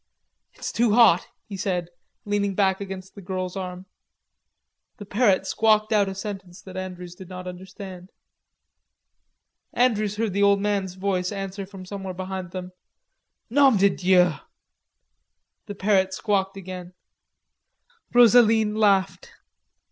"It's too hot," he said, leaning back against the girl's arm. The parrot squawked out a sentence that Andrews did not understand. Andrews heard the old man's voice answer from somewhere behind him: "Nom de Dieu!" The parrot squawked again. Rosaline laughed.